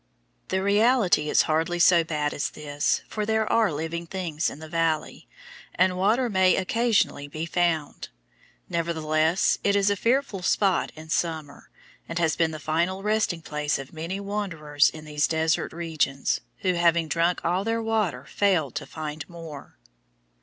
The reality is hardly so bad as this, for there are living things in the valley, and water may occasionally be found. Nevertheless it is a fearful spot in summer, and has become the final resting place of many wanderers in these desert regions, who having drunk all their water failed to find more.